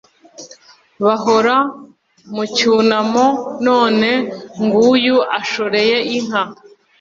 Bahora mu cyunamo none nguyu ashoreye inka